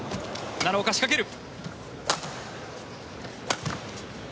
奈良岡仕掛ける。